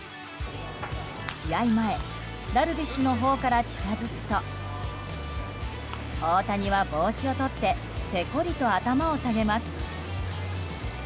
試合前、ダルビッシュのほうから近づくと大谷は帽子をとってぺこりと頭を下げます。